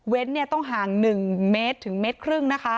เว้นต้องห่าง๑๑๕เมตร